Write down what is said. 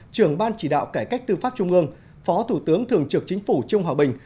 trưởng ban chỉ đạo cải cách tư pháp trung ương phó thủ tướng thường trực chính phủ trương hòa bình